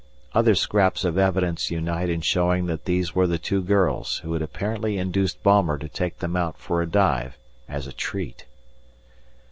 Other scraps of evidence unite in showing that these were the two girls who had apparently induced Baumer to take them out for a dive as a treat.